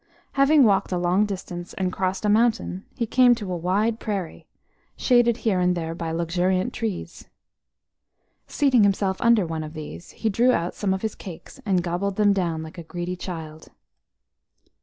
Having walked a long distance and crossed a mountain, he came to a wide prairie, shaded here and there by luxuriant trees. Seating himself under one of these, he drew out some of his cakes, and gobbled them down like a greedy child.